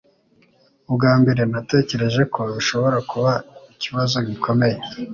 Ubwa mbere natekereje ko bishobora kuba ikibazo gikomeye